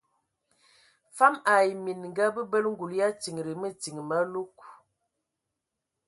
Fam ai minga bəbələ ngul ya tindi mətin malug.